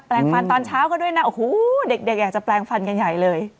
ลงฟันตอนเช้าก็ด้วยนะโอ้โหเด็กอยากจะแปลงฟันกันใหญ่เลย